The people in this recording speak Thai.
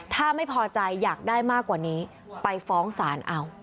ถ้าไม่พอใจอยากได้มากกว่านี้ไปฟ้องศาลเอา